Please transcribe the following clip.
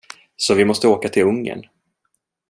Så vi måste åka till Ungern.